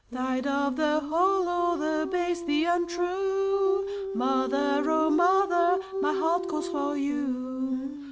Tired of the hollow, the base, the untrue, Mother, O mother, my heart calls for you!